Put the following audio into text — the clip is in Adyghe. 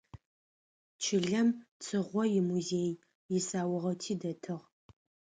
Чылэм Цыгъо имузеий исаугъэти дэтых.